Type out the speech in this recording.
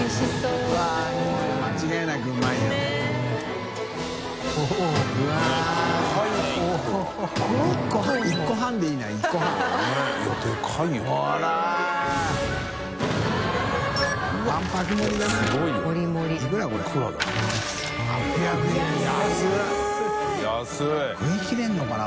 造ぁ食い切れるのかな？